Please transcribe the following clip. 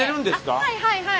はいはいはい。